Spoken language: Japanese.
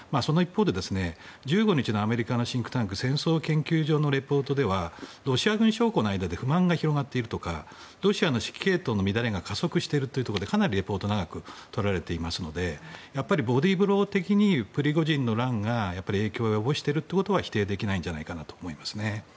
１５日のアメリカのシンクタンク戦争研究所のレポートではロシア軍将校の間で不満が広がっているとかロシアの指揮系統の乱れが加速しているというところでかなりリポートを長く取られていますのでボディーブロー的にプリゴジンの乱が影響を及ぼしていることは否定できないと思いますね。